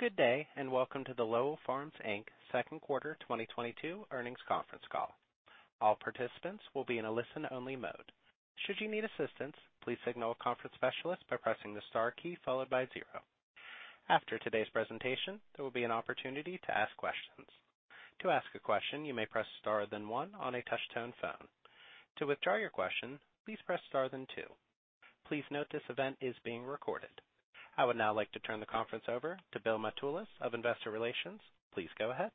Good day, and welcome to the Lowell Farms Inc. Second Quarter 2022 Earnings Conference Call. All participants will be in a listen-only mode. Should you need assistance, please signal a conference specialist by pressing the star key followed by zero. After today's presentation, there will be an opportunity to ask questions. To ask a question, you may press star then one on a touch-tone phone. To withdraw your question, please press star then two. Please note this event is being recorded. I would now like to turn the conference over to Bill Mitoulas of Investor Relations. Please go ahead.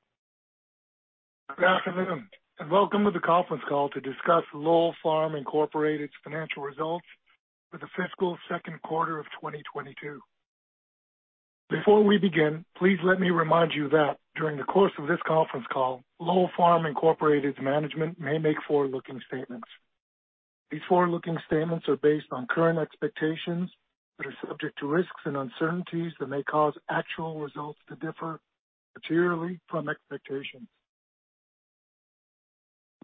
Good afternoon, and welcome to the conference call to discuss Lowell Farms Inc.'s Financial Results for the Fiscal Second Quarter of 2022. Before we begin, please let me remind you that during the course of this conference call, Lowell Farms Inc.'s management may make forward-looking statements. These forward-looking statements are based on current expectations, but are subject to risks and uncertainties that may cause actual results to differ materially from expectations.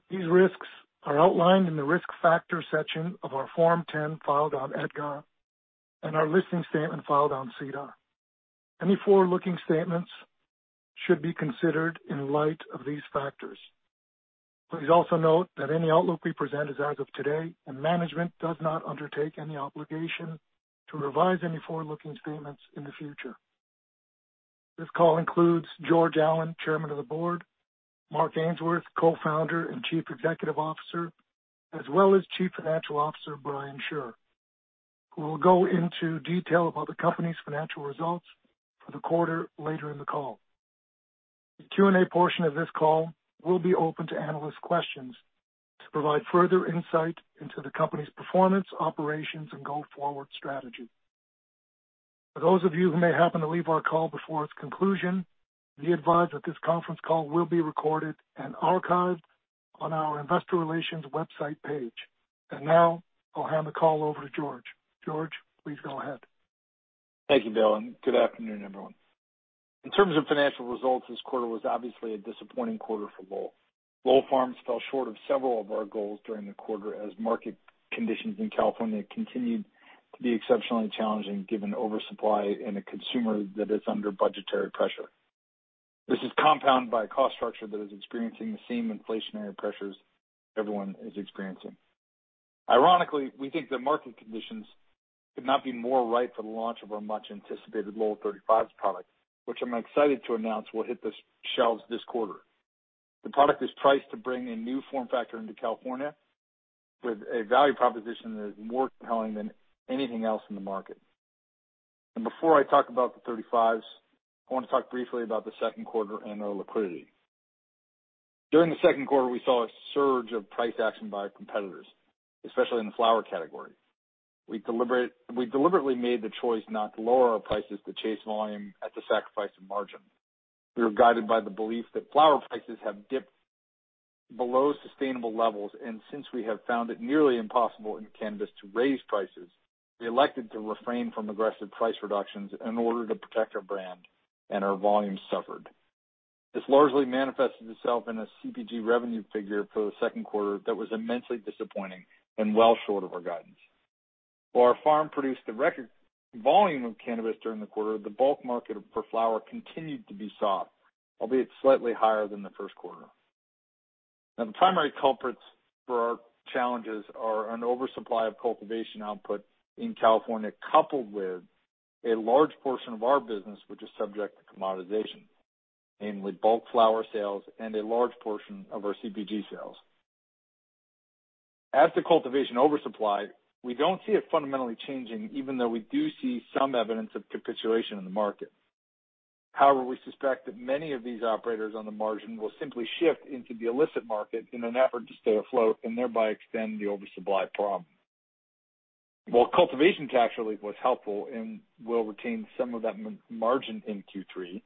These risks are outlined in the Risk Factors section of our Form 10 filed on EDGAR and our listing statement filed on SEDAR. Any forward-looking statements should be considered in light of these factors. Please also note that any outlook we present is as of today, and management does not undertake any obligation to revise any forward-looking statements in the future. This call includes George Allen, Chairman of the Board, Mark Ainsworth, Co-Founder and Chief Executive Officer, as well as Chief Financial Officer Brian Schure, who will go into detail about the company's financial results for the quarter later in the call. The Q&A portion of this call will be open to analyst questions to provide further insight into the company's performance, operations, and go-forward strategy. For those of you who may happen to leave our call before its conclusion, be advised that this conference call will be recorded and archived on our investor relations website page. Now I'll hand the call over to George. George, please go ahead. Thank you, Bill, and good afternoon, everyone. In terms of financial results, this quarter was obviously a disappointing quarter for Lowell. Lowell Farms fell short of several of our goals during the quarter as market conditions in California continued to be exceptionally challenging given oversupply and a consumer that is under budgetary pressure. This is compounded by a cost structure that is experiencing the same inflationary pressures everyone is experiencing. Ironically, we think the market conditions could not be more right for the launch of our much-anticipated Lowell thirty-fives product, which I'm excited to announce will hit the shelves this quarter. The product is priced to bring a new form factor into California with a value proposition that is more compelling than anything else in the market. Before I talk about the thirty-fives, I want to talk briefly about the second quarter and our liquidity. During the second quarter, we saw a surge of price action by our competitors, especially in the flower category. We deliberately made the choice not to lower our prices to chase volume at the sacrifice of margin. We were guided by the belief that flower prices have dipped below sustainable levels, and since we have found it nearly impossible in cannabis to raise prices, we elected to refrain from aggressive price reductions in order to protect our brand and our volumes suffered. This largely manifested itself in a CPG revenue figure for the second quarter that was immensely disappointing and well short of our guidance. While our farm produced a record volume of cannabis during the quarter, the bulk market for flower continued to be soft, albeit slightly higher than the first quarter. Now, the primary culprits for our challenges are an oversupply of cultivation output in California, coupled with a large portion of our business which is subject to commoditization, namely bulk flower sales and a large portion of our CPG sales. As to cultivation oversupply, we don't see it fundamentally changing, even though we do see some evidence of capitulation in the market. However, we suspect that many of these operators on the margin will simply shift into the illicit market in an effort to stay afloat and thereby extend the oversupply problem. While cultivation tax relief was helpful and will retain some of that margin in Q3,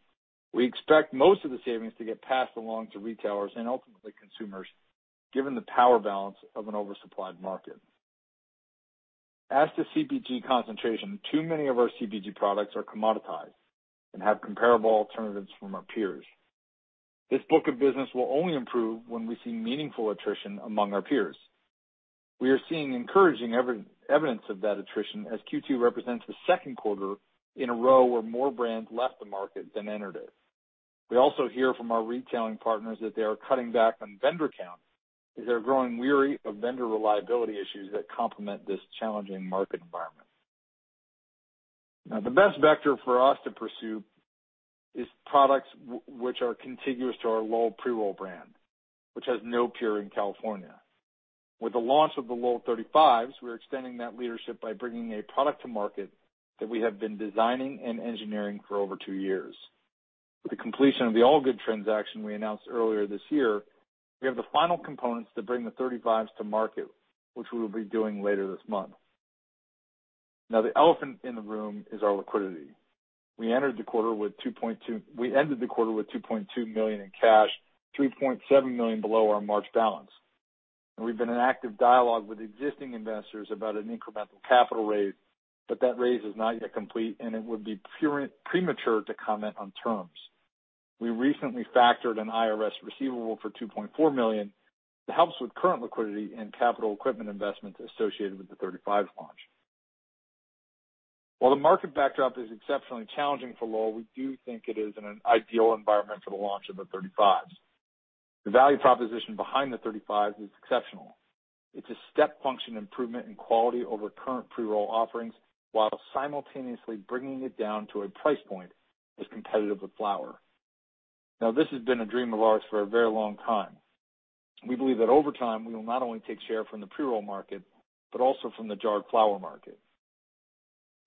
we expect most of the savings to get passed along to retailers and ultimately consumers, given the power balance of an oversupplied market. As to CPG concentration, too many of our CPG products are commoditized and have comparable alternatives from our peers. This book of business will only improve when we see meaningful attrition among our peers. We are seeing encouraging evidence of that attrition as Q2 represents the second quarter in a row where more brands left the market than entered it. We also hear from our retailing partners that they are cutting back on vendor count as they are growing weary of vendor reliability issues that complement this challenging market environment. Now, the best vector for us to pursue is products which are contiguous to our Lowell pre-roll brand, which has no peer in California. With the launch of the Lowell 35s, we're extending that leadership by bringing a product to market that we have been designing and engineering for over two years. With the completion of the All Good transaction we announced earlier this year, we have the final components to bring the thirty-fives to market, which we will be doing later this month. Now, the elephant in the room is our liquidity. We ended the quarter with $2.2 million in cash, $3.7 million below our March balance. We've been in active dialogue with existing investors about an incremental capital raise, but that raise is not yet complete, and it would be premature to comment on terms. We recently factored an IRS receivable for $2.4 million that helps with current liquidity and capital equipment investments associated with the thirty-five launch. While the market backdrop is exceptionally challenging for Lowell, we do think it is in an ideal environment for the launch of the thirty-fives. The value proposition behind the 35s is exceptional. It's a step function improvement in quality over current pre-roll offerings, while simultaneously bringing it down to a price point as competitive with flower. Now, this has been a dream of ours for a very long time. We believe that over time, we will not only take share from the pre-roll market, but also from the jarred flower market.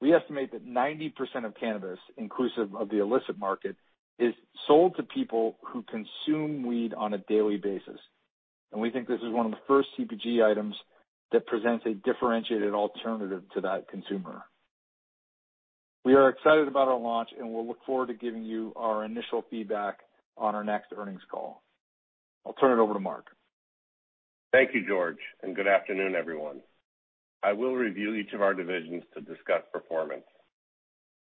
We estimate that 90% of cannabis, inclusive of the illicit market, is sold to people who consume weed on a daily basis. We think this is one of the first CPG items that presents a differentiated alternative to that consumer. We are excited about our launch, and we'll look forward to giving you our initial feedback on our next earnings call. I'll turn it over to Mark. Thank you, George, and good afternoon, everyone. I will review each of our divisions to discuss performance.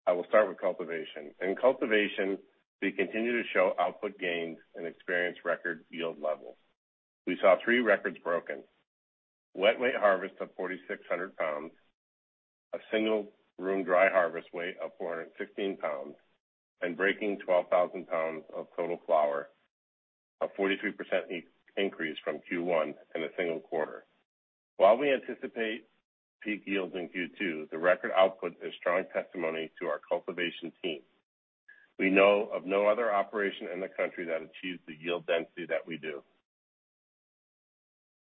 I will start with cultivation. In cultivation, we continue to show output gains and experience record yield levels. We saw three records broken. Wet weight harvest of 4,600 pounds, a single room dry harvest weight of 416 pounds, and breaking 12,000 pounds of total flower, a 43% increase from Q1 in a single quarter. While we anticipate peak yields in Q2, the record output is strong testimony to our cultivation team. We know of no other operation in the country that achieves the yield density that we do.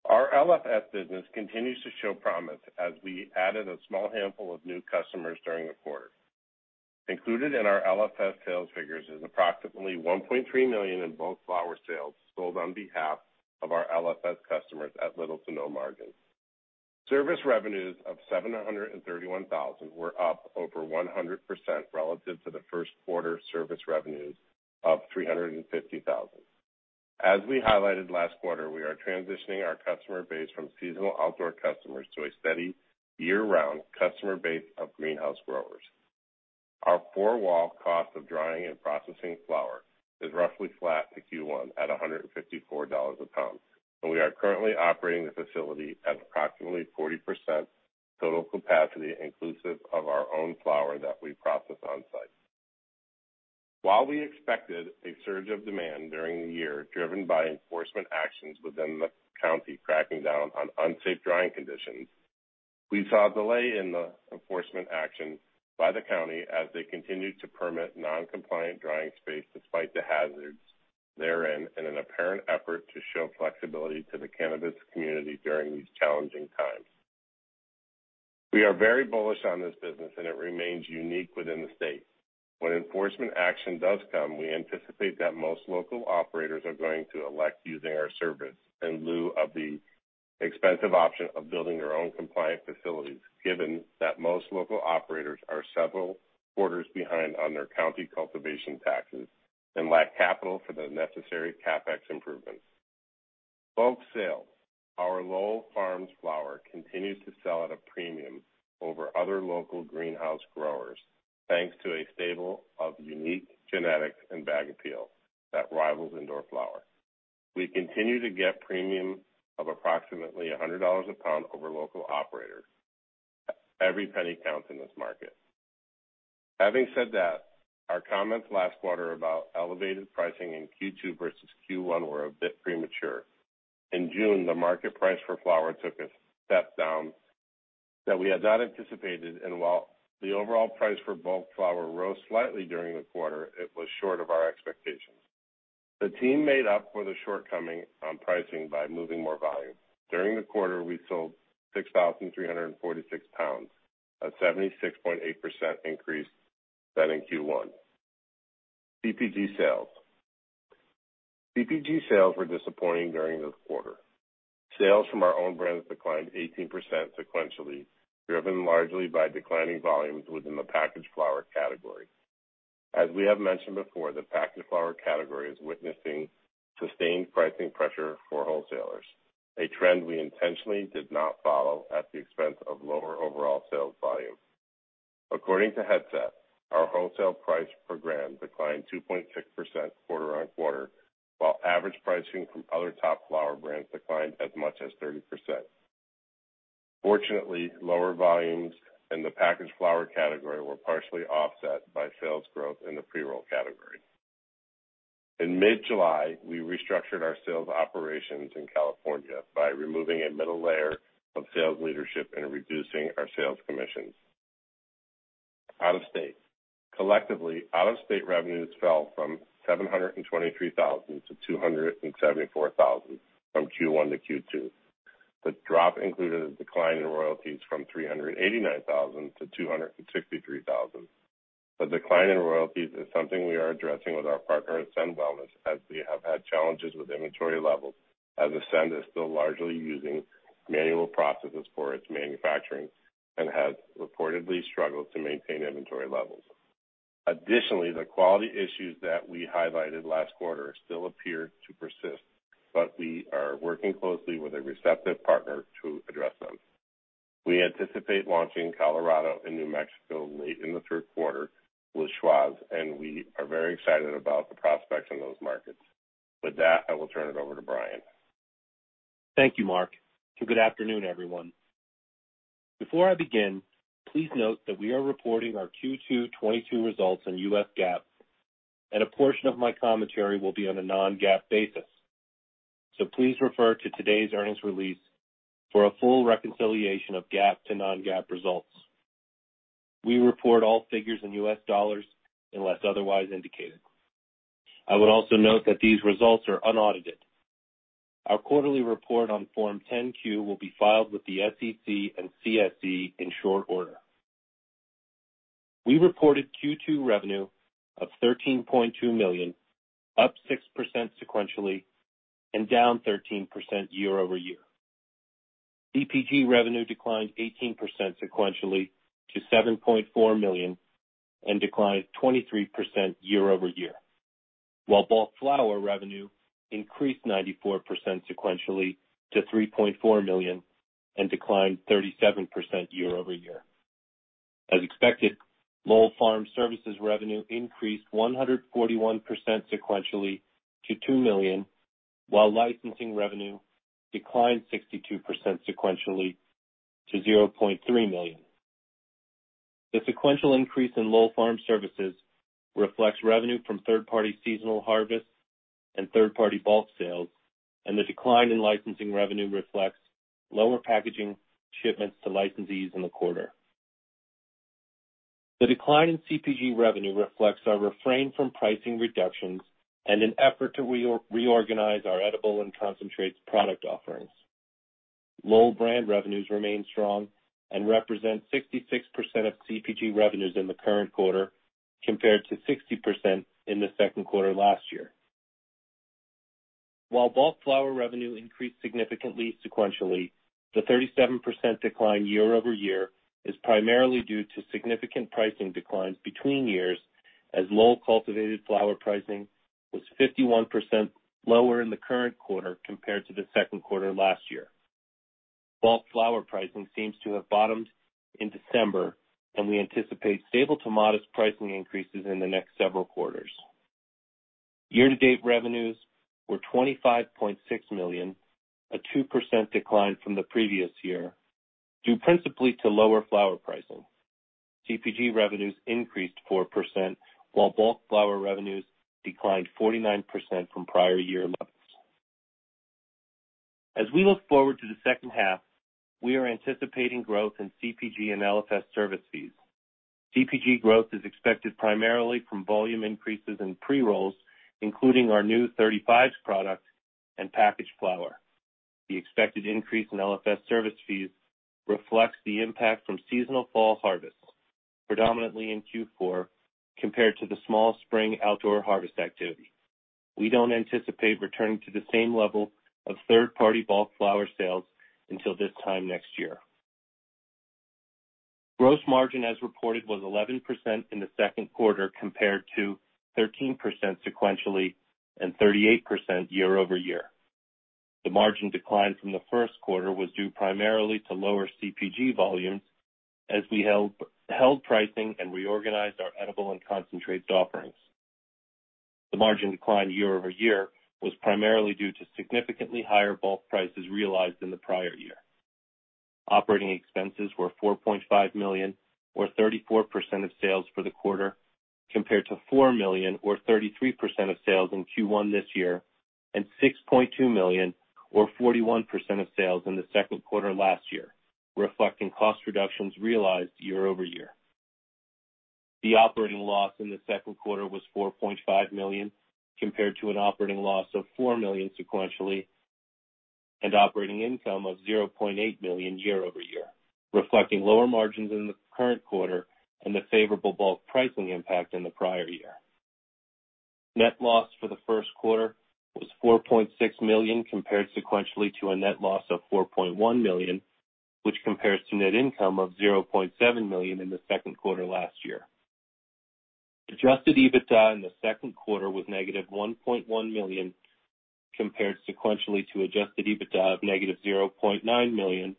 Our LFS business continues to show promise as we added a small handful of new customers during the quarter. Included in our LFS sales figures is approximately $1.3 million in bulk flower sales sold on behalf of our LFS customers at little to no margin. Service revenues of $731,000 were up over 100% relative to the first quarter service revenues of $350,000. We highlighted last quarter, we are transitioning our customer base from seasonal outdoor customers to a steady year-round customer base of greenhouse growers. Our four-wall cost of drying and processing flower is roughly flat to Q1 at $154 a pound, and we are currently operating the facility at approximately 40% total capacity, inclusive of our own flower that we process on-site. While we expected a surge of demand during the year, driven by enforcement actions within the county cracking down on unsafe drying conditions, we saw a delay in the enforcement actions by the county as they continued to permit non-compliant drying space despite the hazards therein in an apparent effort to show flexibility to the cannabis community during these challenging times. We are very bullish on this business, and it remains unique within the state. When enforcement action does come, we anticipate that most local operators are going to elect using our service in lieu of the expensive option of building their own compliant facilities, given that most local operators are several quarters behind on their county cultivation taxes and lack capital for the necessary CapEx improvements. Bulk sales. Our Lowell Farms flower continues to sell at a premium over other local greenhouse growers, thanks to a stable of unique genetics and bag appeal that rivals indoor flower. We continue to get a premium of approximately $100 a pound over local operators. Every penny counts in this market. Having said that, our comments last quarter about elevated pricing in Q2 versus Q1 were a bit premature. In June, the market price for flower took a step down that we had not anticipated, and while the overall price for bulk flower rose slightly during the quarter, it was short of our expectations. The team made up for the shortcoming on pricing by moving more volume. During the quarter, we sold 6,346 pounds, a 76.8% increase than in Q1. CPG sales were disappointing during the quarter. Sales from our own brands declined 18% sequentially, driven largely by declining volumes within the packaged flower category. As we have mentioned before, the packaged flower category is witnessing sustained pricing pressure for wholesalers, a trend we intentionally did not follow at the expense of lower overall sales volume. According to Headset, our wholesale price per gram declined 2.6% quarter-over-quarter, while average pricing from other top flower brands declined as much as 30%. Fortunately, lower volumes in the packaged flower category were partially offset by sales growth in the pre-roll category. In mid-July, we restructured our sales operations in California by removing a middle layer of sales leadership and reducing our sales commissions. Collectively, out-of-state revenues fell from $723,000 to $274,000 from Q1 to Q2. The drop included a decline in royalties from $389 thousand to $263 thousand. The decline in royalties is something we are addressing with our partner, Ascend Wellness, as they have had challenges with inventory levels, as Ascend is still largely using manual processes for its manufacturing and has reportedly struggled to maintain inventory levels. Additionally, the quality issues that we highlighted last quarter still appear to persist, but we are working closely with a receptive partner to address them. We anticipate launching Colorado and New Mexico late in the third quarter with Schwazze, and we are very excited about the prospects in those markets. With that, I will turn it over to Brian. Thank you, Mark. Good afternoon, everyone. Before I begin, please note that we are reporting our Q2 2022 results in U.S. GAAP, and a portion of my commentary will be on a non-GAAP basis. Please refer to today's earnings release for a full reconciliation of GAAP to non-GAAP results. We report all figures in U.S. dollars unless otherwise indicated. I would also note that these results are unaudited. Our quarterly report on Form 10-Q will be filed with the SEC and CSE in short order. We reported Q2 revenue of $13.2 million, up 6% sequentially and down 13% year-over-year. CPG revenue declined 18% sequentially to $7.4 million and declined 23% year-over-year, while bulk flower revenue increased 94% sequentially to $3.4 million and declined 37% year-over-year. As expected, Lowell Farm Services revenue increased 141% sequentially to $2 million, while licensing revenue declined 62% sequentially to $0.3 million. The sequential increase in Lowell Farm Services reflects revenue from third-party seasonal harvests and third-party bulk sales, and the decline in licensing revenue reflects lower packaging shipments to licensees in the quarter. The decline in CPG revenue reflects our refrain from pricing reductions and an effort to reorganize our edible and concentrates product offerings. Lowell brand revenues remain strong and represent 66% of CPG revenues in the current quarter, compared to 60% in the second quarter last year. While bulk flower revenue increased significantly sequentially, the 37% decline year-over-year is primarily due to significant pricing declines between years, as Lowell cultivated flower pricing was 51% lower in the current quarter compared to the second quarter last year. Bulk flower pricing seems to have bottomed in December, and we anticipate stable to modest pricing increases in the next several quarters. Year-to-date revenues were $25.6 million, a 2% decline from the previous year, due principally to lower flower pricing. CPG revenues increased 4%, while bulk flower revenues declined 49% from prior year levels. As we look forward to the second half, we are anticipating growth in CPG and LFS service fees. CPG growth is expected primarily from volume increases in pre-rolls, including our new thirty-fives product and packaged flower. The expected increase in LFS service fees reflects the impact from seasonal fall harvests, predominantly in Q4, compared to the small spring outdoor harvest activity. We don't anticipate returning to the same level of third-party bulk flower sales until this time next year. Gross margin, as reported, was 11% in the second quarter, compared to 13% sequentially and 38% year over year. The margin decline from the first quarter was due primarily to lower CPG volumes as we held pricing and reorganized our edible and concentrates offerings. The margin decline year over year was primarily due to significantly higher bulk prices realized in the prior year. Operating expenses were $4.5 million or 34% of sales for the quarter, compared to $4 million or 33% of sales in Q1 this year, and $6.2 million or 41% of sales in the second quarter last year, reflecting cost reductions realized year-over-year. The operating loss in the second quarter was $4.5 million, compared to an operating loss of $4 million sequentially, and operating income of $0.8 million year-over-year, reflecting lower margins in the current quarter and the favorable bulk pricing impact in the prior year. Net loss for the first quarter was $4.6 million, compared sequentially to a net loss of $4.1 million, which compares to net income of $0.7 million in the second quarter last year. Adjusted EBITDA in the second quarter was negative $1.1 million, compared sequentially to adjusted EBITDA of negative $0.9 million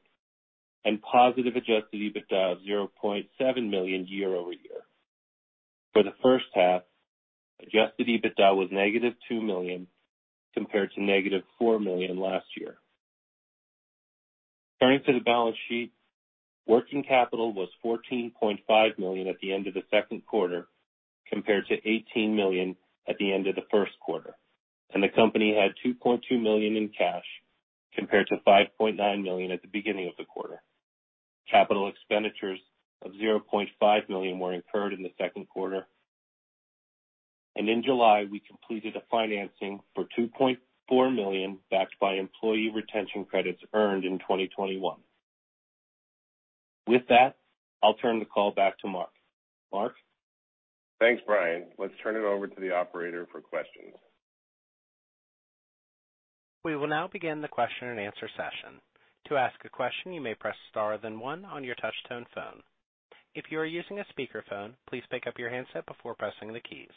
and positive adjusted EBITDA of $0.7 million year-over-year. For the first half, adjusted EBITDA was negative $2 million compared to negative $4 million last year. Turning to the balance sheet, working capital was $14.5 million at the end of the second quarter, compared to $18 million at the end of the first quarter, and the company had $2.2 million in cash, compared to $5.9 million at the beginning of the quarter. Capital expenditures of $0.5 million were incurred in the second quarter. In July, we completed a financing for $2.4 million, backed by Employee Retention Credits earned in 2021. With that, I'll turn the call back to Mark. Mark? Thanks, Brian. Let's turn it over to the operator for questions. We will now begin the question and answer session. To ask a question, you may press star then one on your touch tone phone. If you are using a speakerphone, please pick up your handset before pressing the keys.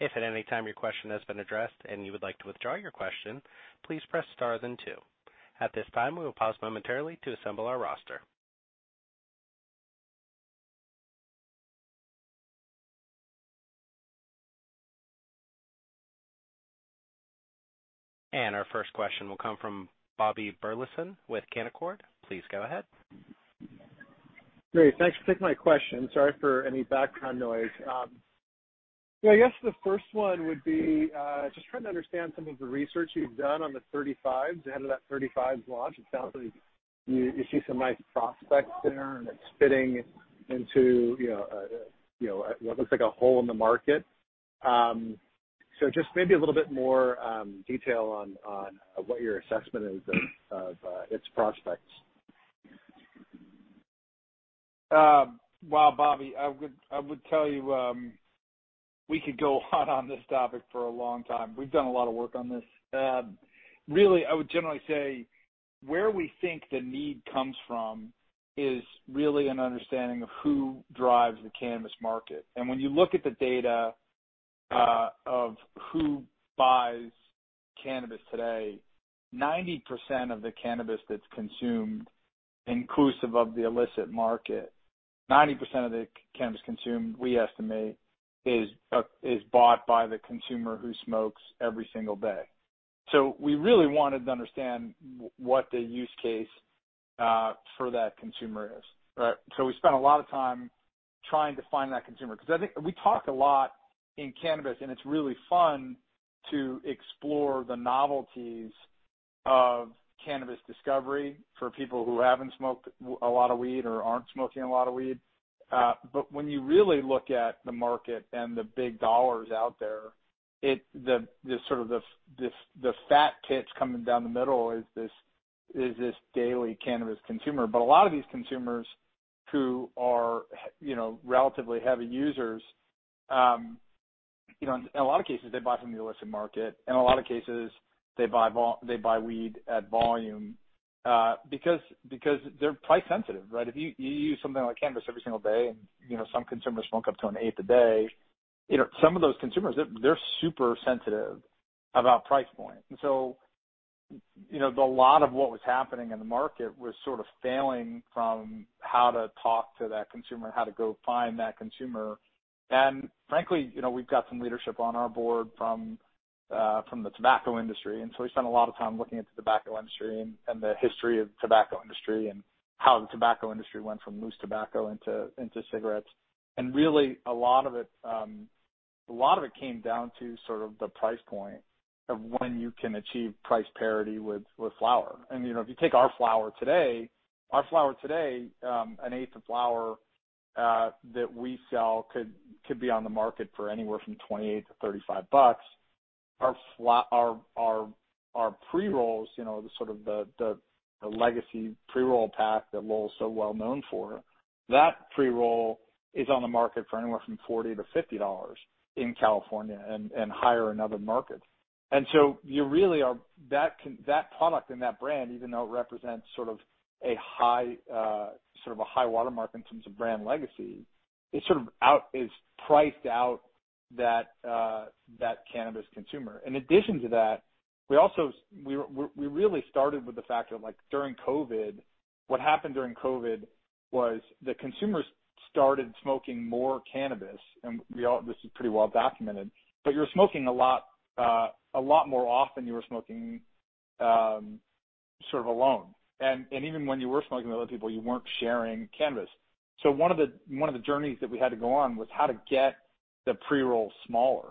If at any time your question has been addressed and you would like to withdraw your question, please press star then two. At this time, we will pause momentarily to assemble our roster. Our first question will come from Bobby Burleson with Canaccord. Please go ahead. Great. Thanks for taking my question. Sorry for any background noise. I guess the first one would be just trying to understand some of the research you've done on the 35s ahead of that 35s launch. It sounds like you see some nice prospects there, and it's fitting into, you know, you know, what looks like a hole in the market. Just maybe a little bit more detail on what your assessment is of its prospects. Well, Bobby, I would tell you, we could go on this topic for a long time. We've done a lot of work on this. Really, I would generally say where we think the need comes from is really an understanding of who drives the cannabis market. When you look at the data of who buys cannabis today, 90% of the cannabis that's consumed, inclusive of the illicit market, we estimate, is bought by the consumer who smokes every single day. We really wanted to understand what the use case for that consumer is, right? We spent a lot of time trying to find that consumer because I think we talk a lot in cannabis, and it's really fun to explore the novelties of cannabis discovery for people who haven't smoked a lot of weed or aren't smoking a lot of weed. When you really look at the market and the big dollars out there, the sort of fat pitch coming down the middle is this daily cannabis consumer. A lot of these consumers who are you know, relatively heavy users, you know, in a lot of cases, they buy from the illicit market, in a lot of cases they buy weed at volume, because they're price sensitive, right? If you use something like cannabis every single day and, you know, some consumers smoke up to an eighth a day, you know, some of those consumers, they're super sensitive about price point. You know, a lot of what was happening in the market was sort of failing from how to talk to that consumer, how to go find that consumer. Frankly, you know, we've got some leadership on our board from the tobacco industry, and we spent a lot of time looking at the tobacco industry and the history of tobacco industry and how the tobacco industry went from loose tobacco into cigarettes. Really a lot of it came down to sort of the price point of when you can achieve price parity with flower. You know, if you take our flower today, an eighth of flower that we sell could be on the market for anywhere from $28-$35. Our pre-rolls, you know, the sort of legacy pre-roll pack that Lowell's so well known for, that pre-roll is on the market for anywhere from $40-$50 in California and higher in other markets. That product and that brand, even though it represents sort of a high watermark in terms of brand legacy, it sort of is priced out of that cannabis consumer. In addition to that, we also really started with the fact that like during COVID, what happened during COVID was the consumers started smoking more cannabis. This is pretty well documented, but you're smoking a lot more often you were smoking, sort of alone. Even when you were smoking with other people, you weren't sharing cannabis. One of the journeys that we had to go on was how to get the pre-roll smaller.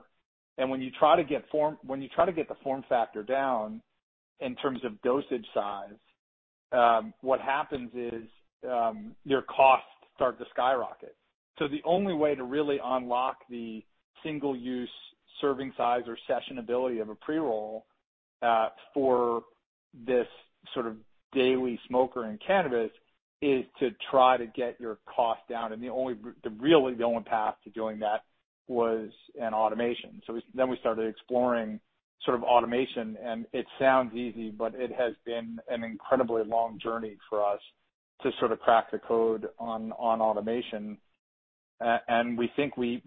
When you try to get the form factor down in terms of dosage size, what happens is, your costs start to skyrocket. The only way to really unlock the single-use serving size or session ability of a pre-roll for this sort of daily smoker in cannabis is to try to get your cost down, and the really only path to doing that was an automation. Then we started exploring sort of automation, and it sounds easy, but it has been an incredibly long journey for us to sort of crack the code on automation. We think we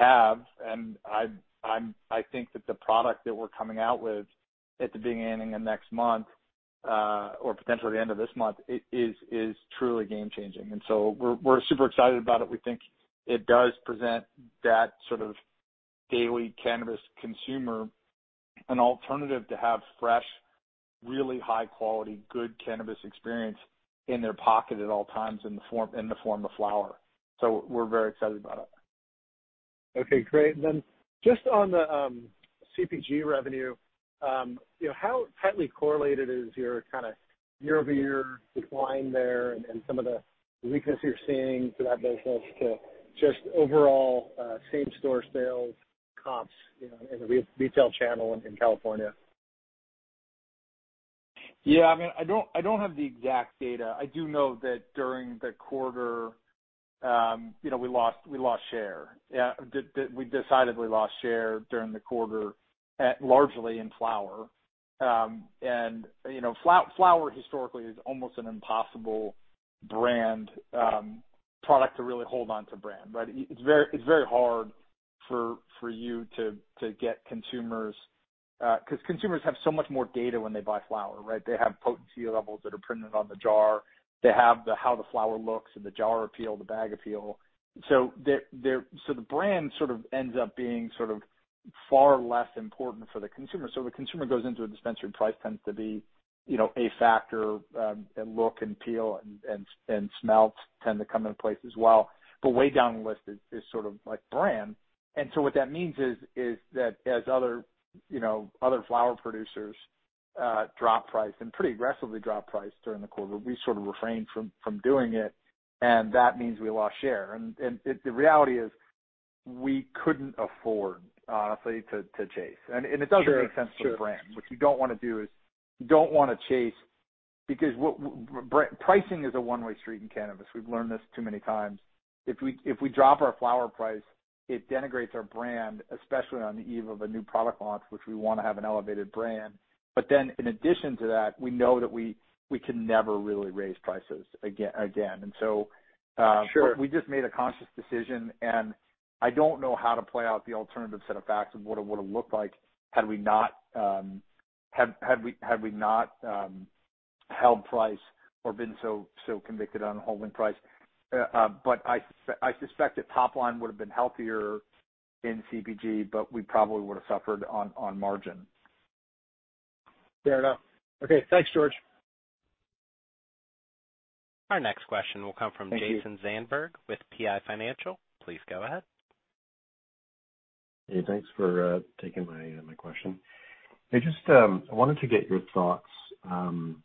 have, and I think that the product that we're coming out with at the beginning of next month or potentially the end of this month is truly game changing. We're super excited about it. We think it does present that sort of daily cannabis consumer an alternative to have fresh, really high quality, good cannabis experience in their pocket at all times in the form of flower. We're very excited about it. Okay, great. Just on the CPG revenue, you know, how tightly correlated is your kind of year-over-year decline there and some of the weakness you're seeing to that business to just overall same store sales comps, you know, in the retail channel in California? Yeah, I mean, I don't have the exact data. I do know that during the quarter, you know, we lost share. Yeah, we decidedly lost share during the quarter largely in flower. Flower historically is almost an impossible brand product to really hold on to brand. But it's very hard for you to get consumers because consumers have so much more data when they buy flower, right? They have potency levels that are printed on the jar. They have how the flower looks and the jar appeal, the bag appeal. So the brand sort of ends up being sort of far less important for the consumer. The consumer goes into a dispensary, price tends to be, you know, a factor, and look and feel and smell tend to come into play as well. Way down the list is sort of like brand. What that means is that as other flower producers drop price pretty aggressively during the quarter, we sort of refrained from doing it, and that means we lost share. The reality is we couldn't afford, honestly, to chase. Sure, sure. It doesn't make sense for brand. What you don't wanna do is chase, because pricing is a one-way street in cannabis. We've learned this too many times. If we drop our flower price, it denigrates our brand, especially on the eve of a new product launch, which we wanna have an elevated brand. In addition to that, we know that we can never really raise prices again. Sure. We just made a conscious decision, and I don't know how to play out the alternative set of facts and what it would've looked like had we not held price or been so convicted on holding price. I suspect that top line would have been healthier in CPG, but we probably would have suffered on margin. Fair enough. Okay. Thanks, George. Our next question will come from Jason Zandberg with PI Financial. Please go ahead. Hey, thanks for taking my question. I just wanted to get your thoughts on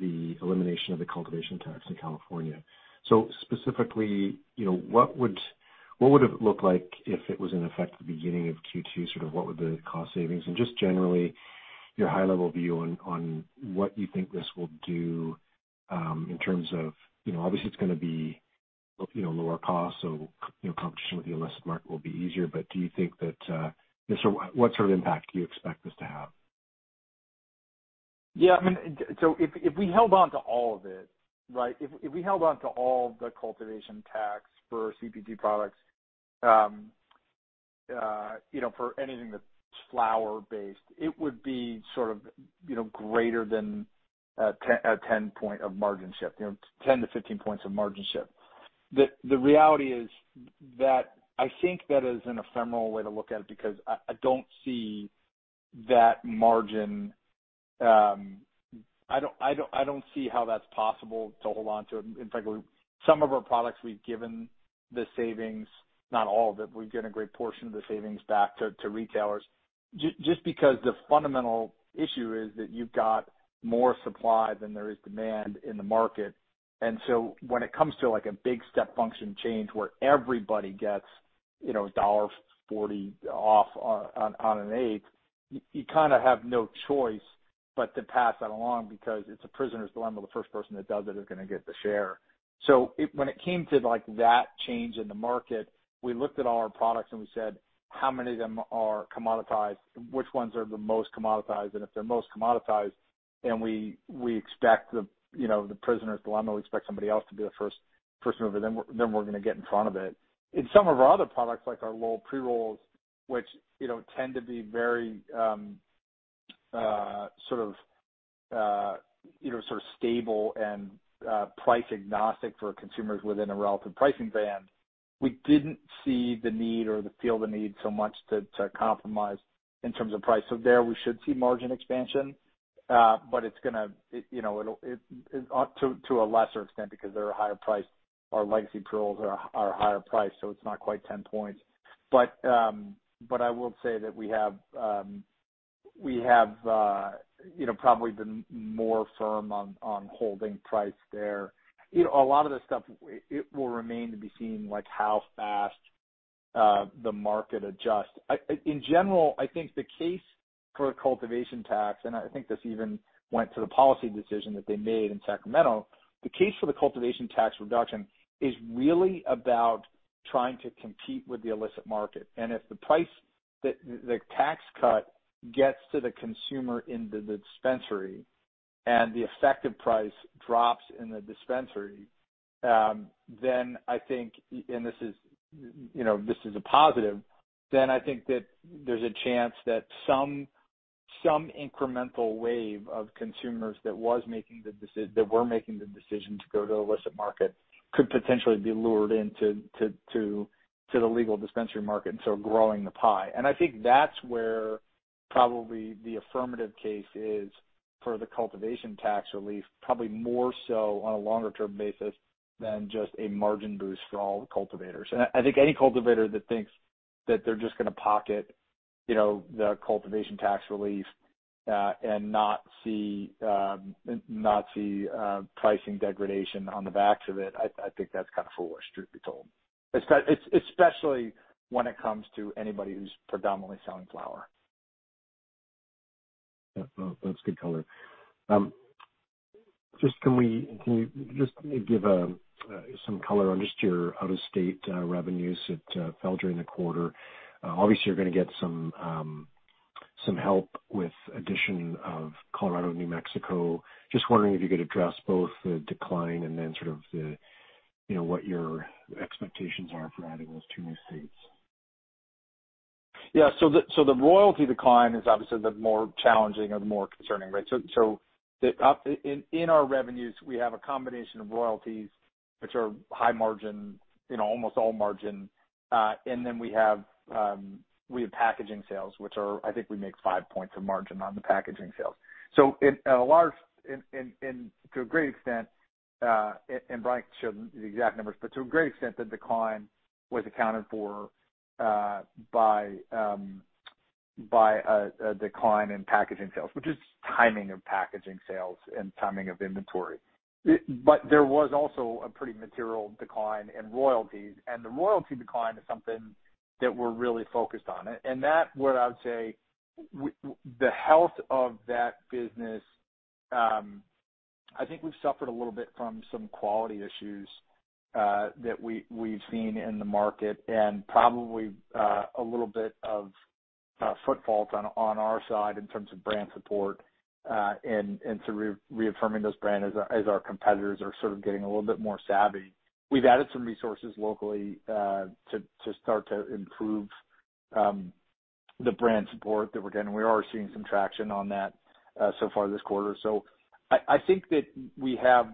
the elimination of the cultivation tax in California. Specifically, you know, what would it look like if it was in effect at the beginning of Q2? Sort of what would the cost savings and just generally your high-level view on what you think this will do in terms of, you know, obviously it's gonna be lower cost, so you know, competition with the illicit market will be easier. What sort of impact do you expect this to have? Yeah, I mean, if we held on to all of it, right, if we held on to all the cultivation tax for CPG products, you know, for anything that's flower-based, it would be sort of, you know, greater than 10-point margin shift, you know, 10%-15% margin shift. The reality is that I think that is an ephemeral way to look at it because I don't see that margin. I don't see how that's possible to hold on to. In fact, some of our products we've given the savings, not all of it. We've given a great portion of the savings back to retailers. Just because the fundamental issue is that you've got more supply than there is demand in the market. When it comes to like a big step function change where everybody gets, you know, $1.40 off on an eighth, you kind of have no choice but to pass that along because it's a prisoner's dilemma. The first person that does it is gonna get the share. When it came to like that change in the market, we looked at all our products and we said, how many of them are commoditized? Which ones are the most commoditized? If they're most commoditized, then we expect the, you know, the prisoner's dilemma. We expect somebody else to be the first person over there, then we're gonna get in front of it. In some of our other products, like our Lowell pre-rolls, which you know tend to be very sort of stable and price agnostic for consumers within a relative pricing band. We didn't see the need or feel the need so much to compromise in terms of price. There we should see margin expansion, but it's gonna you know to a lesser extent because they're a higher price. Our legacy pre-rolls are higher priced, so it's not quite 10 points. I will say that we have you know probably been more firm on holding price there. You know, a lot of this stuff, it will remain to be seen like how fast the market adjusts. In general, I think the case for a cultivation tax, and I think this even went to the policy decision that they made in Sacramento. The case for the cultivation tax reduction is really about trying to compete with the illicit market. If the price, the tax cut gets to the consumer in the dispensary and the effective price drops in the dispensary, then I think, and this is, you know, this is a positive, then I think that there's a chance that some incremental wave of consumers that were making the decision to go to illicit market could potentially be lured into to the legal dispensary market, so growing the pie. I think that's where probably the affirmative case is for the cultivation tax relief, probably more so on a longer-term basis than just a margin boost for all the cultivators. I think any cultivator that thinks that they're just gonna pocket, you know, the cultivation tax relief, and not see pricing degradation on the backs of it, I think that's kind of foolish, truth be told. Especially when it comes to anybody who's predominantly selling flower. Yeah, well, that's good color. Can you just give some color on just your out-of-state revenues? It fell during the quarter. Obviously you're gonna get some help with addition of Colorado, New Mexico. Just wondering if you could address both the decline and then sort of the, you know, what your expectations are for adding those two new states. Yeah. The royalty decline is obviously the more challenging or the more concerning, right? In our revenues, we have a combination of royalties, which are high margin, you know, almost all margin. Then we have packaging sales, which are, I think we make five points of margin on the packaging sales. Into a great extent, Brian can share the exact numbers, but to a great extent, the decline was accounted for by a decline in packaging sales, which is timing of packaging sales and timing of inventory. There was also a pretty material decline in royalties, and the royalty decline is something that we're really focused on. That's what I would say. The health of that business, I think we've suffered a little bit from some quality issues that we've seen in the market and probably a little bit of shortfalls on our side in terms of brand support, and so reaffirming those brands as our competitors are sort of getting a little bit more savvy. We've added some resources locally to start to improve the brand support that we're getting. We are seeing some traction on that so far this quarter. I think that we have,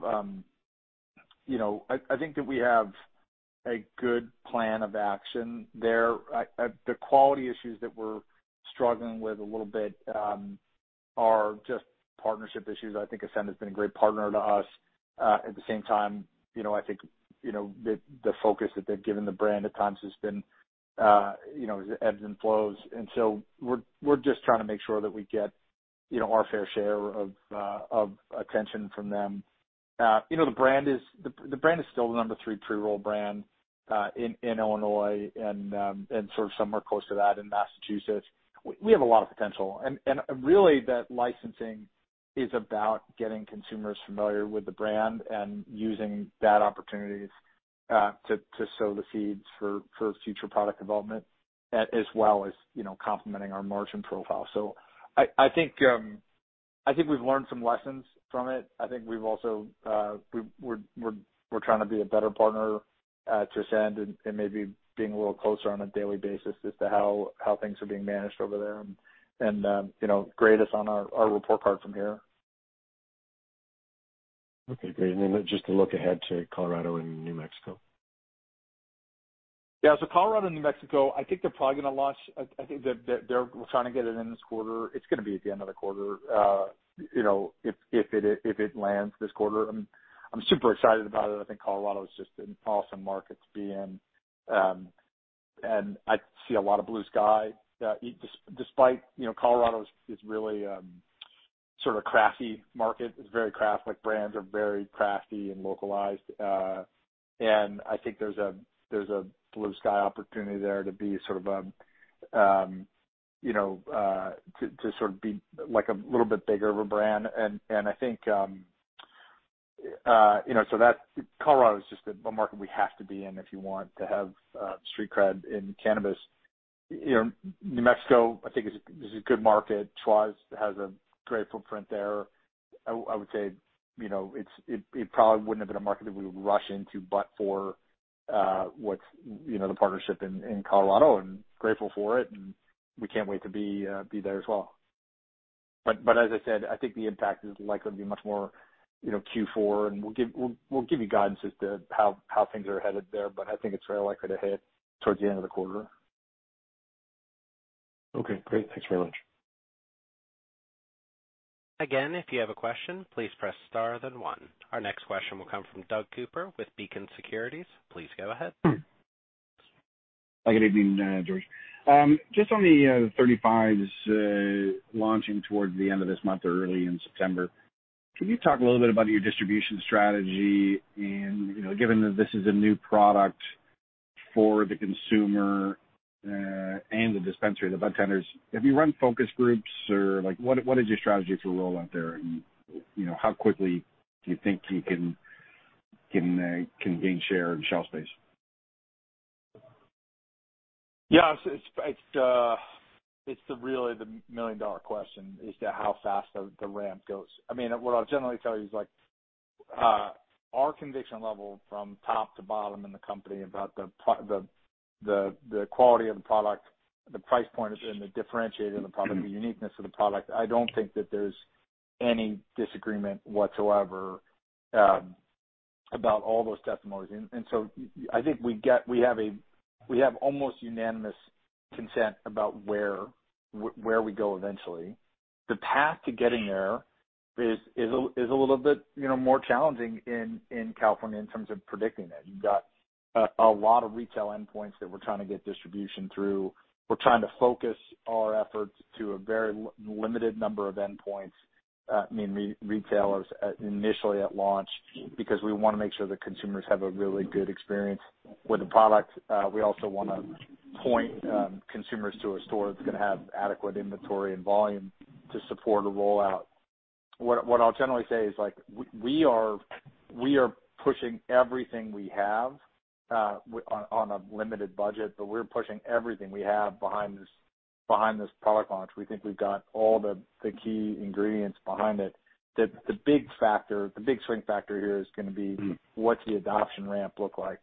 you know, a good plan of action there. The quality issues that we're struggling with a little bit are just partnership issues. I think Ascend has been a great partner to us. At the same time, you know, I think, you know, the focus that they've given the brand at times has been, you know, it ebbs and flows. We're just trying to make sure that we get, you know, our fair share of attention from them. You know, the brand is the brand is still the number three pre-roll brand in Illinois and sort of somewhere close to that in Massachusetts. We have a lot of potential. Really that licensing is about getting consumers familiar with the brand and using that opportunity to sow the seeds for future product development as well as, you know, complementing our margin profile. I think we've learned some lessons from it. I think we've also we're trying to be a better partner to Ascend and maybe being a little closer on a daily basis as to how things are being managed over there and you know grade us on our report card from here. Okay, great. Just to look ahead to Colorado and New Mexico. Yeah. Colorado and New Mexico, I think they're probably gonna launch. I think that they're trying to get it in this quarter. It's gonna be at the end of the quarter, you know, if it lands this quarter. I'm super excited about it. I think Colorado is just an awesome market to be in. I see a lot of blue sky despite, you know, Colorado is really sort of crafty market. It's very crafty, like brands are very crafty and localized. I think there's a blue sky opportunity there to be sort of, you know, to sort of be like a little bit bigger of a brand. I think, you know, so that's. Colorado is just a market we have to be in if you want to have street cred in cannabis. You know, New Mexico, I think is a good market. Schwazze has a great footprint there. I would say, you know, it probably wouldn't have been a market that we would rush into, but for you know the partnership in Colorado, and grateful for it, and we can't wait to be there as well. As I said, I think the impact is likely to be much more, you know, Q4, and we'll give you guidance as to how things are headed there, but I think it's very likely to hit towards the end of the quarter. Okay, great. Thanks very much. Again, if you have a question, please press star then one. Our next question will come from Doug Cooper with Beacon Securities. Please go ahead. Hi, good evening, George. Just on the 35s launching towards the end of this month or early in September. Can you talk a little bit about your distribution strategy and, you know, given that this is a new product for the consumer, and the dispensary, the budtenders, have you run focus groups or like what is your strategy for rollout there and, you know, how quickly do you think you can gain share of shelf space? Yeah. It's really the million dollar question, that how fast the ramp goes. I mean, what I'll generally tell you is our conviction level from top to bottom in the company about the quality of the product, the price point and the differentiator of the product, the uniqueness of the product. I don't think that there's any disagreement whatsoever about all those testimonies. I think we have almost unanimous consent about where we go eventually. The path to getting there is a little bit, you know, more challenging in California in terms of predicting it. You've got a lot of retail endpoints that we're trying to get distribution through. We're trying to focus our efforts to a very limited number of endpoints, I mean, retailers at initially at launch because we wanna make sure the consumers have a really good experience with the product. We also wanna point consumers to a store that's gonna have adequate inventory and volume to support a rollout. I'll generally say is like we are pushing everything we have on a limited budget, but we're pushing everything we have behind this product launch. We think we've got all the key ingredients behind it. The big factor, the big swing factor here is gonna be what the adoption ramp look like.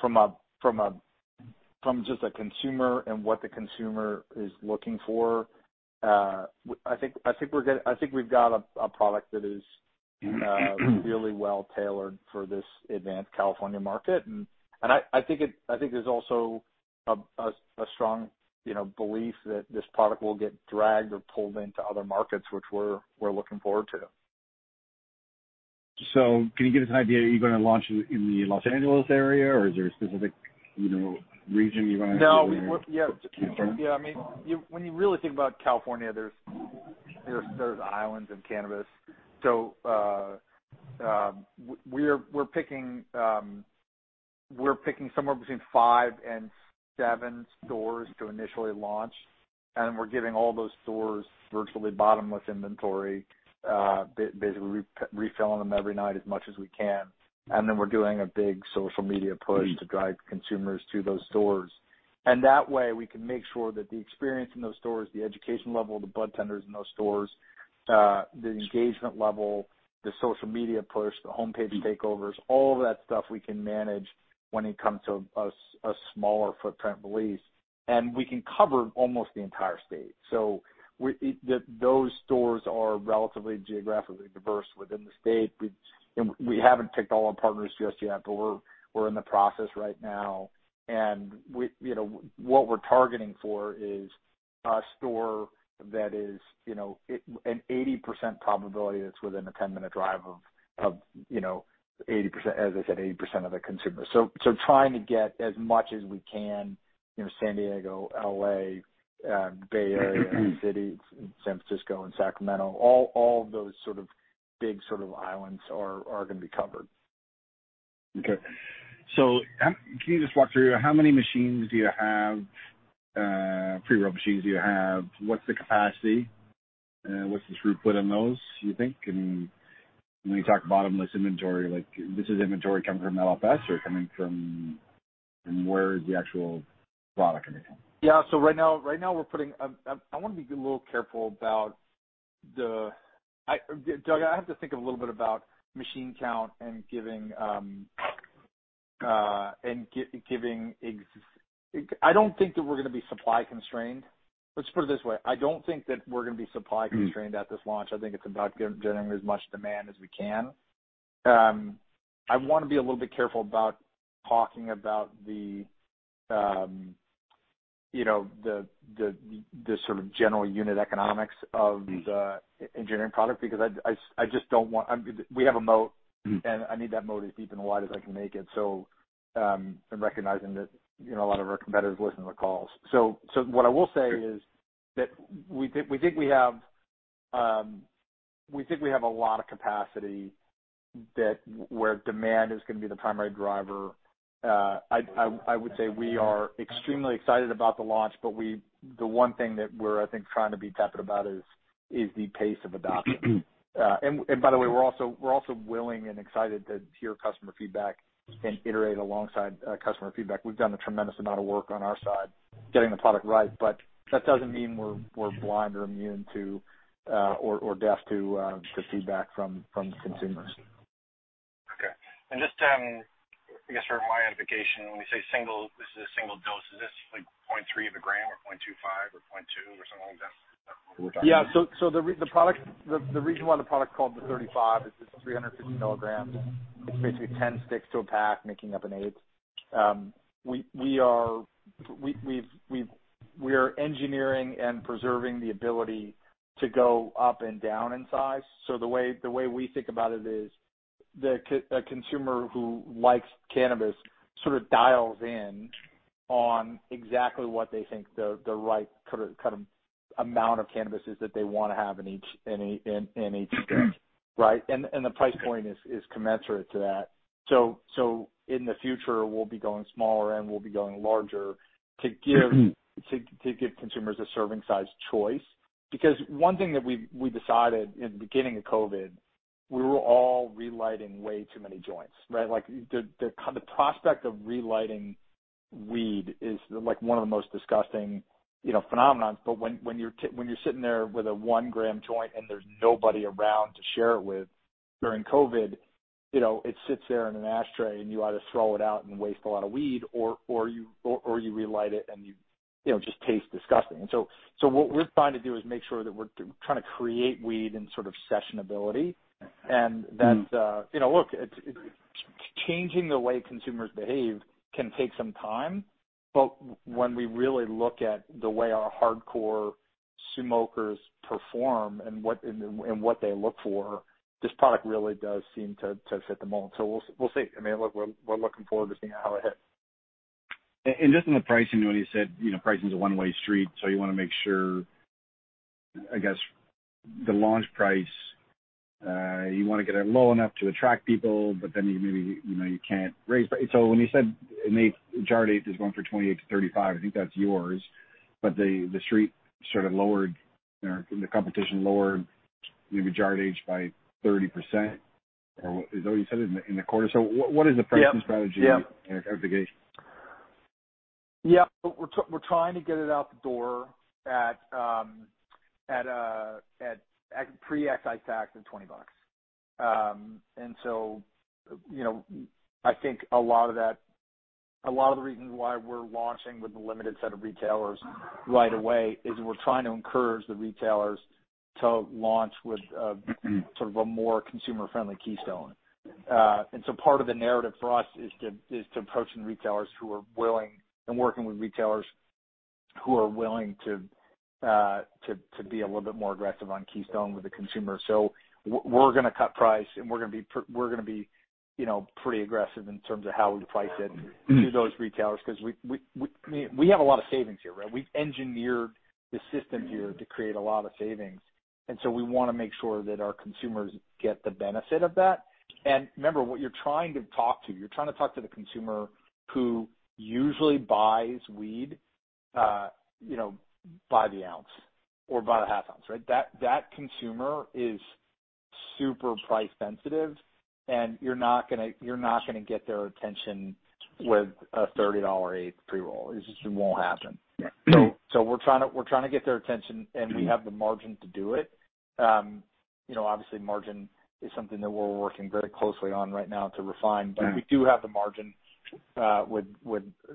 From a from just a consumer and what the consumer is looking for, I think we're gonna. I think we've got a product that is really well-tailored for this advanced California market. I think there's also a strong, you know, belief that this product will get dragged or pulled into other markets, which we're looking forward to. Can you give us an idea, are you gonna launch in the Los Angeles area, or is there a specific, you know, region you're gonna? No. Yeah. Okay. Yeah, I mean, when you really think about California, there's islands of cannabis. We're picking somewhere between five and seven stores to initially launch, and we're giving all those stores virtually bottomless inventory, basically refilling them every night as much as we can. We're doing a big social media push to drive consumers to those stores. That way we can make sure that the experience in those stores, the education level, the budtenders in those stores, the engagement level, the social media push, the homepage takeovers, all of that stuff we can manage when it comes to a smaller footprint release. We can cover almost the entire state. Those stores are relatively geographically diverse within the state. We haven't picked all our partners just yet, but we're in the process right now. We, you know, what we're targeting for is a store that is, you know, an 80% probability that's within a 10-minute drive of, you know, 80%, as I said, 80% of their consumers. Trying to get as much as we can, you know, San Diego, LA, Bay Area, New City, San Francisco, and Sacramento, all of those sort of big islands are gonna be covered. Okay. Can you just walk through how many pre-roll machines do you have? What's the capacity? What's the throughput on those, you think? When you talk bottomless inventory, like this is inventory coming from LFS or coming from. From where is the actual product coming from? Right now I wanna be a little careful. Doug, I have to think a little bit about machine count and giving exact. I don't think that we're gonna be supply constrained. Let's put it this way, I don't think that we're gonna be supply constrained at this launch. I think it's about generating as much demand as we can. I wanna be a little bit careful about talking about, you know, the sort of general unit economics of the engineering product because I just don't want. We have a moat, and I need that moat as deep and wide as I can make it, so I'm recognizing that, you know, a lot of our competitors listen to the calls. What I will say is that we think we have a lot of capacity that where demand is gonna be the primary driver. I would say we are extremely excited about the launch, but the one thing that we're I think trying to be tepid about is the pace of adoption. By the way, we're also willing and excited to hear customer feedback and iterate alongside customer feedback. We've done a tremendous amount of work on our side getting the product right, but that doesn't mean we're blind or immune to or deaf to feedback from consumers. Okay. Just, I guess for my edification, when we say single, this is a single dose, is this like 0.3 of a gram or 0.25 or 0.2 or something like that we're talking about? Yeah. The product, the reason why the product's called the thirty-five is it's 350 milligrams. It's basically 10 sticks to a pack making up an eighth. We are engineering and preserving the ability to go up and down in size. The way we think about it is a consumer who likes cannabis sort of dials in on exactly what they think the right sort of, kind of amount of cannabis is that they wanna have in each stick, right? The price point is commensurate to that. In the future, we'll be going smaller, and we'll be going larger to give consumers a serving size choice. Because one thing that we decided in the beginning of COVID, we were all relighting way too many joints, right? Like, the prospect of relighting weed is like one of the most disgusting, you know, phenomena. When you're sitting there with a 1-gram joint and there's nobody around to share it with during COVID, you know, it sits there in an ashtray, and you either throw it out and waste a lot of weed or you relight it and you know, just tastes disgusting. What we're trying to do is make sure that we're trying to create weed in sort of session ability. That, you know, look, it's it. Changing the way consumers behave can take some time, but when we really look at the way our hardcore smokers perform and what they look for, this product really does seem to hit the mark. We'll see. I mean, look, we're looking forward to seeing how it hits. Just on the pricing, you know, when you said, you know, pricing is a one-way street, so you wanna make sure, I guess the launch price, you wanna get it low enough to attract people, but then you maybe, you know, you can't raise. So when you said an eighth, a jar of eighth is going for $28-$35, I think that's yours. But the Street sort of lowered or the competition lowered the average by 30%, or is that what you said, in the quarter? What is the pricing strategy? Yeah. Yeah. aggregation? Yeah. We're trying to get it out the door at pre-excise tax of $20. You know, I think a lot of that, a lot of the reasons why we're launching with a limited set of retailers right away is we're trying to encourage the retailers to launch with sort of a more consumer-friendly Keystone. Part of the narrative for us is to approach the retailers who are willing, and working with retailers who are willing to be a little bit more aggressive on Keystone with the consumer. We're gonna cut price and we're gonna be, you know, pretty aggressive in terms of how we price it to those retailers, 'cause we, I mean, we have a lot of savings here, right? We've engineered the system here to create a lot of savings, and so we wanna make sure that our consumers get the benefit of that. Remember, what you're trying to talk to, you're trying to talk to the consumer who usually buys weed, you know, by the ounce or by the half ounce, right? That consumer is super price sensitive, and you're not gonna get their attention with a $30 pre-roll. It just won't happen. Yeah. We're trying to get their attention, and we have the margin to do it. You know, obviously margin is something that we're working very closely on right now to refine. Yeah. We do have the margin with,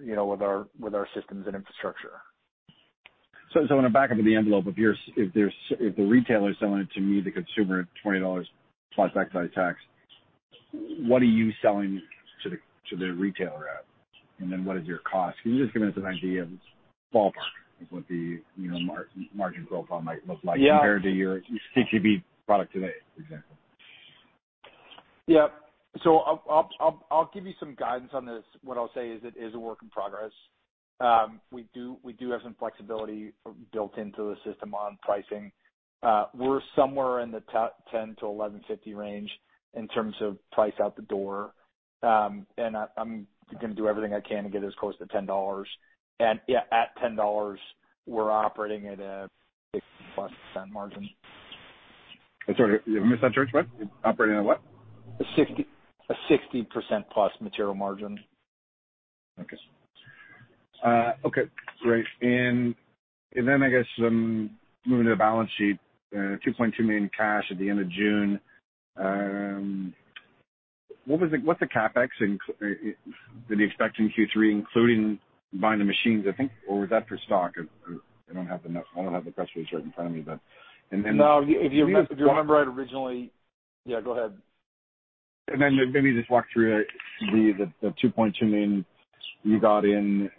you know, with our systems and infrastructure. I wanna back up to the envelope. If the retailer is selling it to me, the consumer, at $20 plus excise tax, what are you selling to the retailer at? Then what is your cost? Can you just give me an idea of ballpark of what the, you know, margin profile might look like? Yeah. Compared to your CBD product today, for example? Yeah. I'll give you some guidance on this. What I'll say is it is a work in progress. We do have some flexibility built into the system on pricing. We're somewhere in the $10-$11.50 range in terms of price out the door. I'm gonna do everything I can to get as close to $10. Yeah, at $10, we're operating at a 60%+ margin. I'm sorry, I missed that, George. What? Operating at what? A 60%+ material margin. Okay. Okay, great. I guess, moving to the balance sheet, $2.2 million cash at the end of June. What's the CapEx that you expect in Q3, including buying the machines, I think, or was that for stock? I don't have the notes. I don't have the press release right in front of me. No, if you remember it originally. Yeah, go ahead. maybe just walk through the $2.2 million you got in.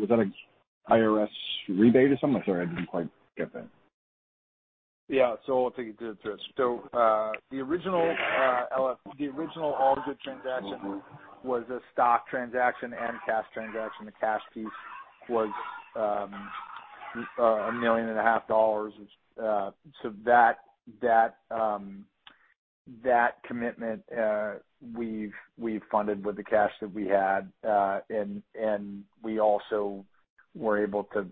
Was that a IRS rebate or something? Sorry, I didn't quite get that. Yeah. I'll take it. The original All Good transaction was a stock transaction and cash transaction. The cash piece was $1.5 million. That commitment we've funded with the cash that we had, and we also were able to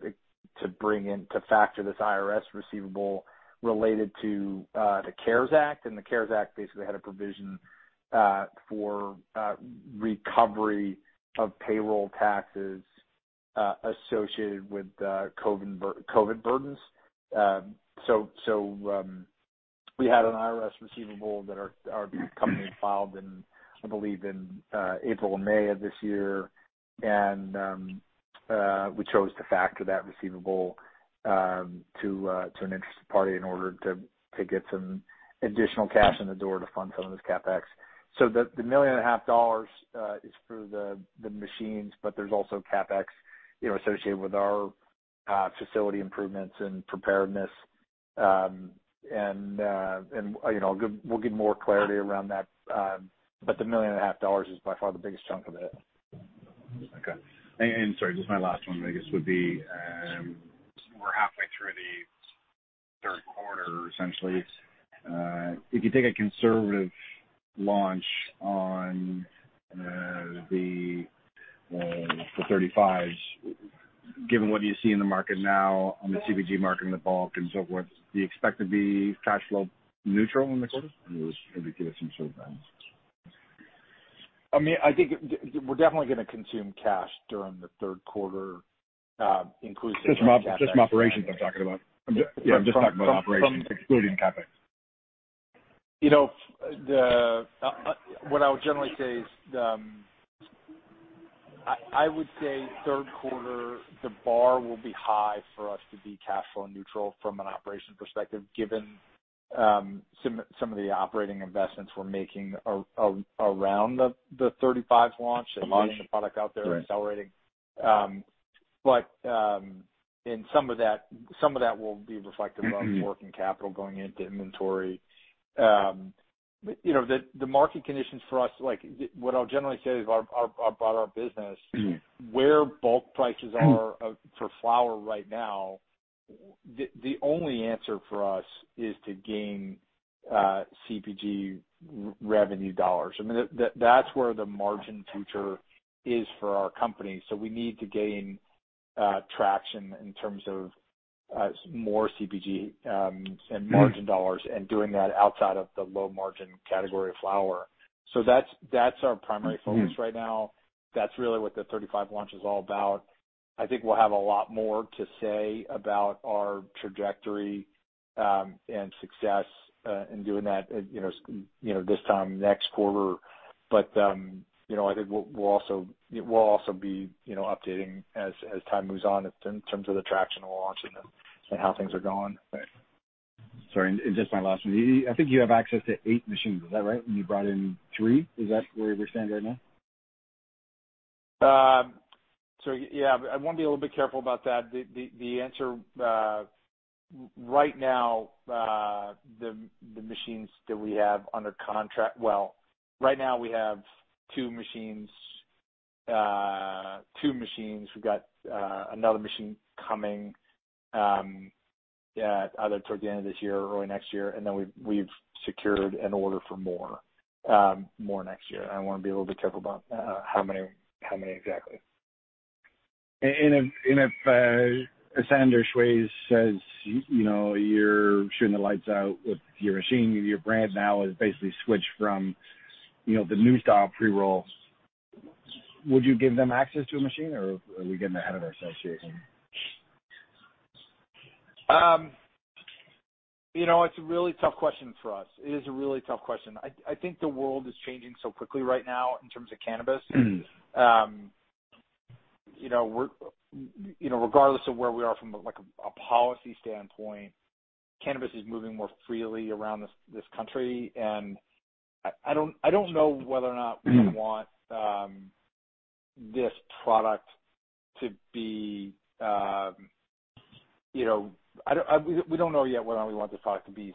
bring in to factor this IRS receivable related to the CARES Act, and the CARES Act basically had a provision for recovery of payroll taxes associated with COVID burdens. We had an IRS receivable that our company filed in, I believe, in April or May of this year. We chose to factor that receivable to an interested party in order to get some additional cash in the door to fund some of this CapEx. The $1.5 million is for the machines, but there's also CapEx, you know, associated with our facility improvements and preparedness. You know, we'll give more clarity around that. The $1.5 million is by far the biggest chunk of it. Okay. Sorry, just my last one, I guess, would be, we're halfway through the third quarter, essentially. If you take a conservative launch on the 35s, given what you see in the market now on the CBG market and the bulk and so forth, do you expect to be cash flow neutral in the quarter? Maybe give us some sort of guidance. I mean, I think we're definitely gonna consume cash during the third quarter, inclusive of CapEx. Just from operations, I'm talking about. From, from- Yeah, I'm just talking about operations, excluding CapEx. You know, what I would generally say is, I would say third quarter, the bar will be high for us to be cash flow neutral from an operations perspective, given some of the operating investments we're making around the 35 launch and launching the product out there and accelerating. Some of that will be reflected in working capital going into inventory. You know, the market conditions for us, like what I'll generally say is about our business. Mm-hmm. Where bulk prices are for flower right now. The only answer for us is to gain CPG revenue dollars. I mean, that's where the margin future is for our company. We need to gain traction in terms of more CPG and margin dollars and doing that outside of the low margin category of flower. That's our primary focus right now. That's really what the 35 launch is all about. I think we'll have a lot more to say about our trajectory and success in doing that, you know, this time next quarter. You know, I think we'll also be updating as time moves on in terms of the traction we're launching them and how things are going. Sorry, and just my last one. I think you have access to eight machines. Is that right? You brought in three. Is that where we stand right now? Yeah, I want to be a little bit careful about that. The answer right now, the machines that we have under contract. Well, right now we have two machines. We've got another machine coming, yeah, either towards the end of this year or next year, and then we've secured an order for more next year. I want to be a little bit careful about how many exactly. If [Sander Schweis] says, you know, you're shooting the lights out with your machine, your brand now is basically switched from, you know, the new style pre-roll, would you give them access to a machine, or are we getting ahead of ourselves here? You know, it's a really tough question for us. It is a really tough question. I think the world is changing so quickly right now in terms of cannabis. Mm-hmm. You know, we're, you know, regardless of where we are from, like, a policy standpoint, cannabis is moving more freely around this country. We don't know yet whether or not we want this product to be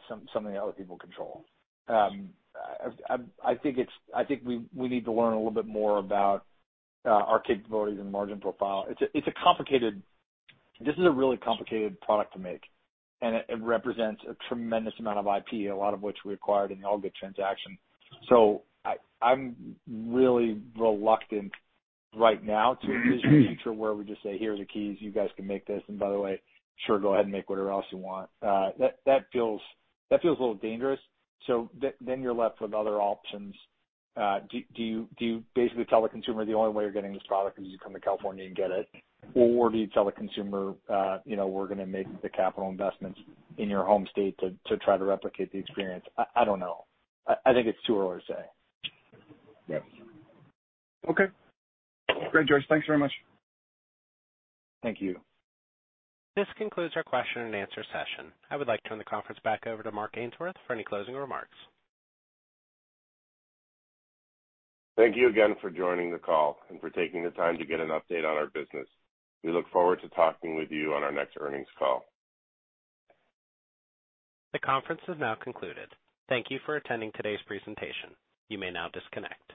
something other people control. I think we need to learn a little bit more about our capabilities and margin profile. This is a really complicated product to make, and it represents a tremendous amount of IP, a lot of which we acquired in the All Good transaction. I'm really reluctant right now to envision a future where we just say, "Here are the keys, you guys can make this, and by the way, sure, go ahead and make whatever else you want." That feels a little dangerous. Then you're left with other options. Do you basically tell the consumer the only way you're getting this product is you come to California and get it? Or do you tell the consumer, you know, we're gonna make the capital investments in your home state to try to replicate the experience? I don't know. I think it's too early to say. Yeah. Okay. Great, George. Thanks very much. Thank you. This concludes our question and answer session. I would like to turn the conference back over to Mark Ainsworth for any closing remarks. Thank you again for joining the call and for taking the time to get an update on our business. We look forward to talking with you on our next earnings call. The conference has now concluded. Thank you for attending today's presentation. You may now disconnect.